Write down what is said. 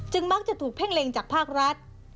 มักจะถูกเพ่งเล็งจากภาครัฐ